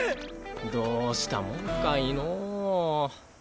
どうしたもんかいのう。